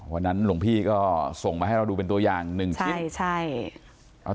วันนั้นหลวงพี่ก็ส่งมาให้เราดูเป็นตัวอย่างหนึ่งชิ้น